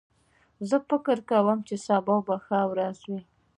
زه فکر کوم چې سبا به ښه ورځ وي